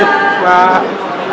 terima kasih pak